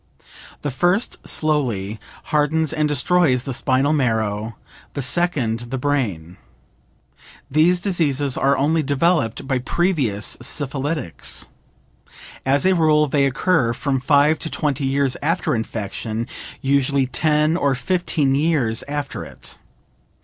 The first slowly hardens and destroys the spinal marrow, the second the brain. These diseases are only developed by previous syphilitics. As a rule they occur from 5 to 20 years after infection, usually 10 or 15 years after it.